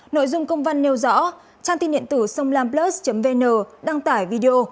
nội dung công văn nêu rõ trang tin điện tử songlamplus vn đăng tải video